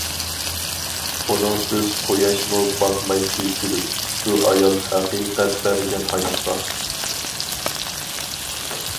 ئۇنىڭسىز قۇياشمۇ باقمايتتى كۈلۈپ، شۇ ئايال ھەقىقەت بەرگەن ھاياتقا.